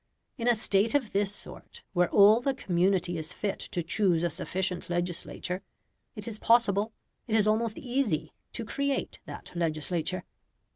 In a State of this sort, where all the community is fit to choose a sufficient legislature, it is possible, it is almost easy, to create that legislature.